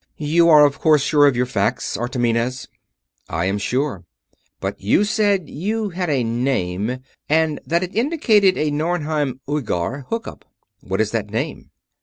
You are of course sure of your facts, Artomenes?" "I am sure. But you said you had a name, and that it indicated a Norheim Uighar hookup. What is that name?"